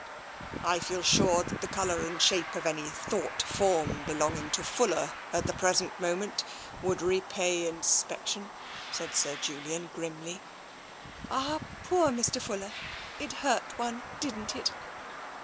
*' I feel sure that the colour and shape of any thought form belonging to Fuller at the present moment would repay inspection," said Sir Julian grimly. "Ah, poor Mr. Fuller! It hurt one, didnt it?